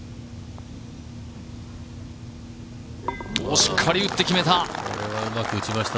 しっかり打って決めた。